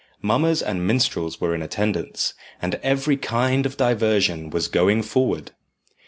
Mummers and minstrels were in attendance, and every kind of diversion was going forward.